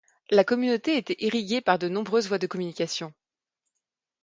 La communauté était irrigué par de nombreuses voies de communication.